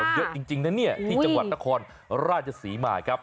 มันเยอะจริงนะเนี่ยที่จังหวัดนครราชศรีมาครับ